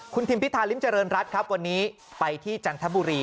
คุณทิมพิธาริมเจริญรัฐครับวันนี้ไปที่จันทบุรี